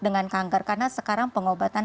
dengan kanker karena sekarang pengobatan